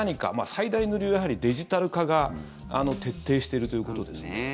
最大の理由はやはりデジタル化が徹底しているということです。